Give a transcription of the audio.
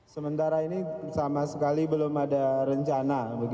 sementara ini sama sekali belum ada rencana